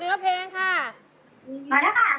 ไม่เอาชื่อเพลงค่ะเอาเนื้อเพลงค่ะ